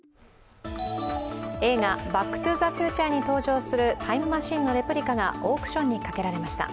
映画「バック・トゥ・ザ・フューチャー」に登場するタイムマシンのレプリカがオークションにかけられました。